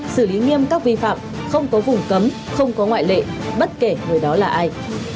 xử lý nghiêm các vi phạm không có vùng cấm không có ngoại lệ bất kể người đó là ai